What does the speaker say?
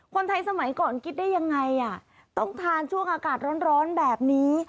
สมัยก่อนคิดได้ยังไงอ่ะต้องทานช่วงอากาศร้อนแบบนี้